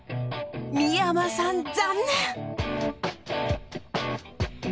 三山さん残念。